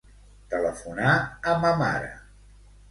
Telefonar a ma mare.